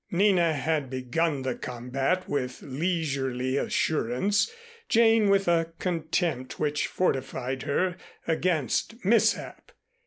Nina had begun the combat with leisurely assurance; Jane, with a contempt which fortified her against mishap.